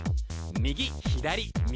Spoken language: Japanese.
右左右！